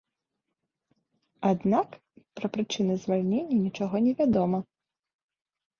Аднак, пра прычыны звальнення нічога невядома.